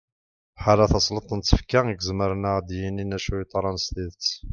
ḥala tasleḍt n tfekka i izemren ad aɣ-yinin acu yeḍran s tidet